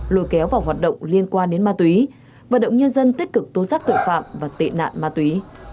lùi kéo vào hoạt động liên quan đến ma túy hoạt động nhân dân tích cực tố giác tội phạm và tên nạn ma túy